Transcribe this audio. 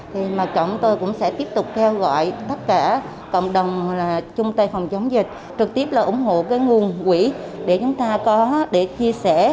chúng tôi sẽ tiếp tục kêu gọi tất cả cộng đồng chung tay phòng chống dịch trực tiếp ủng hộ nguồn quỹ để chia sẻ